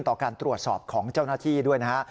ต่อการตรวจสอบของเจ้าหน้าที่ด้วยนะฮะ